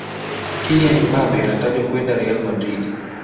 kylian mbappe anatajwa kwenda real madrid